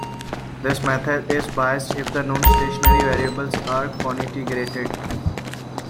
This method is biased if the non-stationary variables are cointegrated.